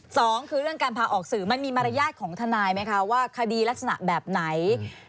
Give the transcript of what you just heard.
สองคือเรื่องการพาออกสื่อมันมีมารยาทของทนายไหมคะว่าคดีลักษณะแบบไหน